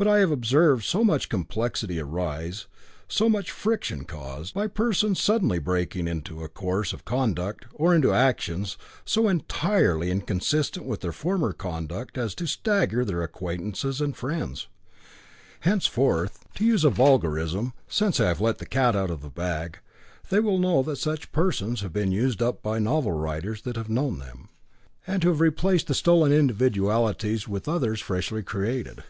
But I have observed so much perplexity arise, so much friction caused, by persons suddenly breaking out into a course of conduct, or into actions, so entirely inconsistent with their former conduct as to stagger their acquaintances and friends. Henceforth, to use a vulgarism, since I have let the cat out of the bag, they will know that such persons have been used up by novel writers that have known them, and who have replaced the stolen individualities with others freshly created.